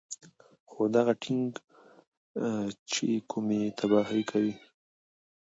خو دغه ټېنک چې کومې تباهۍ کوي